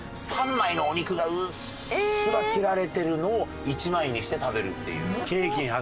３枚のお肉がうっすら切られてるのを１枚にして食べるっていう。